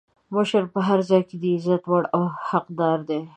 مشر په هر ځای کې د عزت وړ او حقدار وي.